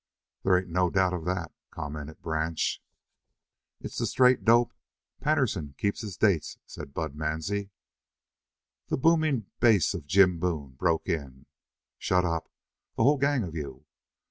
"There ain't no doubt of that," commented Branch. "It's the straight dope. Patterson keeps his dates," said Bud Mansie. The booming bass of Jim Boone broke in: "Shut up, the whole gang of you.